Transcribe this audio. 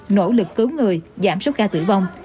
nỗ lực cứu người giảm số ca tử vong